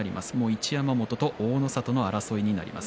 一山本と大の里の争いになります。